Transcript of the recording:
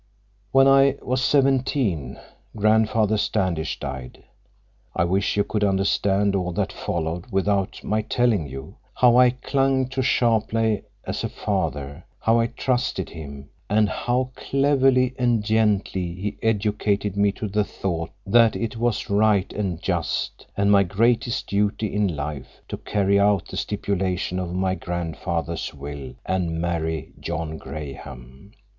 "When I was seventeen, Grandfather Standish died. I wish you could understand all that followed without my telling you: how I clung to Sharpleigh as a father, how I trusted him, and how cleverly and gently he educated me to the thought that it was right and just, and my greatest duty in life, to carry out the stipulation of my grandfather's will and marry John Graham.